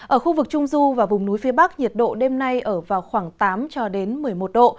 ở khu vực trung du và vùng núi phía bắc nhiệt độ đêm nay ở vào khoảng tám một mươi một độ